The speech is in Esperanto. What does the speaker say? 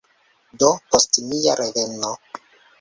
Do, post mia reveno